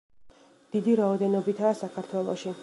დიდი რაოდენობითაა საქართველოში.